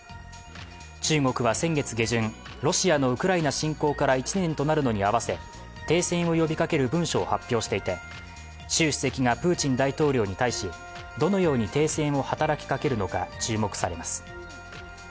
中国は先月下旬、ロシアのウクライナ侵攻から１年となるのに合わせ停戦を呼びかける文書を発表していて、習主席がプーチン大統領に対しどのように停戦を働きかけるのか、注目されます。